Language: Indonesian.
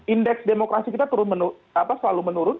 indeks demokrasi kita selalu menurun